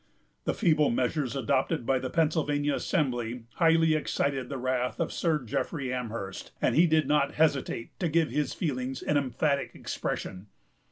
The feeble measures adopted by the Pennsylvania Assembly highly excited the wrath of Sir Jeffrey Amherst, and he did not hesitate to give his feelings an emphatic expression.